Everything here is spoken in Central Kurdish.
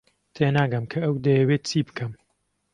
تێناگەم کە ئەو دەیەوێت چی بکەم.